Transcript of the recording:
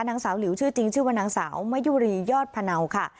นางสาวหลิวชื่อจริงชื่อว่านางสาวมะยุรียอดพะเนาค่ะ